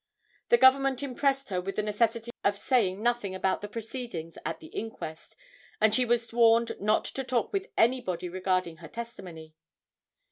The Government impressed her with the necessity of saying nothing about the proceedings at the inquest and she was warned not to talk with anybody regarding her testimony.